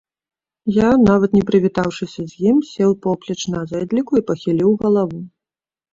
Я, нават не прывітаўшыся з ім, сеў поплеч на зэдліку і пахіліў галаву.